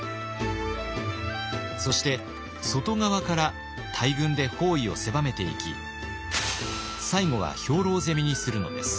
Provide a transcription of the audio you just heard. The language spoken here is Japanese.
そして外側から大軍で包囲を狭めていき最後は兵糧攻めにするのです。